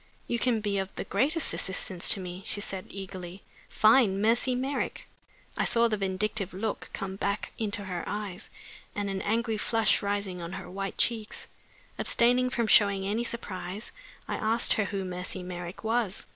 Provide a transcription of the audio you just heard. "You can be of the greatest assistance to me," she said, eagerly. "Find Mercy Merrick!" I saw the vindictive look come back into her eyes, and an angry flush rising on her white cheeks. Abstaining from showing any surprise, I asked her who Mercy Merrick was.